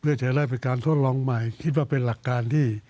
เพื่อจะได้เป็นการทดลองใหม่คิดว่าเป็นหลักการที่